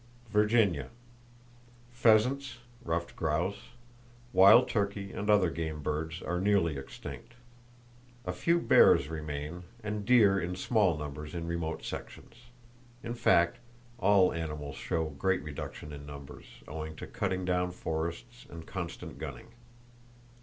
Virginia: Pheasants (ruffed grouse), wild turkey and other game birds are nearly extinct. A few bears remain, and deer in small numbers in remote sections. In fact, all animals show great reduction in numbers, owing to cutting down forests, and constant gunning.